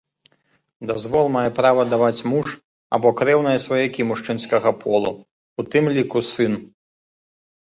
Дазвол мае права даваць муж або крэўныя сваякі мужчынскага полу, у тым ліку сын.